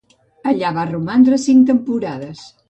Allà va romandre cinc temporades.